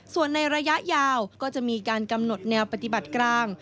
ส่วนในระยะยาวก็จะมีการกำหนดแนวปฏิบัติกลาง